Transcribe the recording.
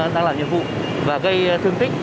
đang làm nhiệm vụ và gây thương tích